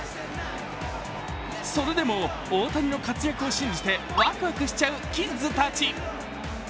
それでも大谷の活躍を信じてワクワクしちゃうキッズたち。